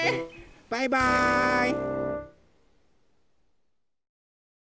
バイバーイ！